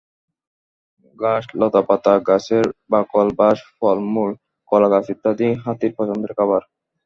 ঘাস, লতাপাতা, গাছের বাকল, বাঁশ, ফলমূল, কলাগাছ ইত্যাদি হাতির পছন্দের খাবার।